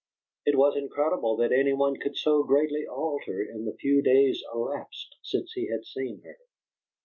It was incredible that any one could so greatly alter in the few days elapsed since he had seen her.